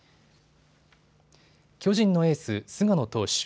巨人のエース・菅野投手。